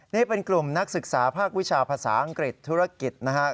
นี่เป็นกลุ่มนักศึกษาภาควิชาภาษาอังกฤษธุรกิจนะครับ